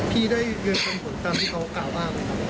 พี่ได้เงินปันผลตามที่เขากล่าวบ้าง